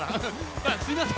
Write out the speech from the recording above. すいません